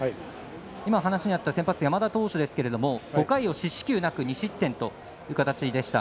今話しにあった先発山田投手ですけど５回を四死球なく２失点という形でした。